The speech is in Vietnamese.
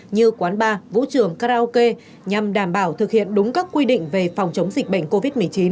như quán bar vũ trường karaoke nhằm đảm bảo thực hiện đúng các quy định về phòng chống dịch bệnh covid một mươi chín